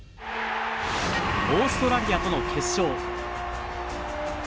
オーストラリアとの決勝。